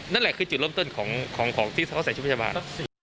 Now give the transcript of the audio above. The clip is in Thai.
นั่นแหละคือจุดเริ่มต้นของที่เขาใส่ชุดพยาบาล